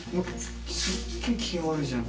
すっげえ機嫌悪いじゃん。